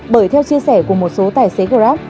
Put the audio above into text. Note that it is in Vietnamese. bởi theo chia sẻ của một số tài xế grab